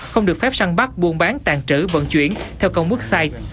không được phép săn bắt buôn bán tàn trữ vận chuyển theo công mức sai